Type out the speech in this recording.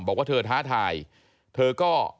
ถ้าเขาถูกจับคุณอย่าลืม